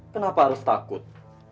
kenapa harus takut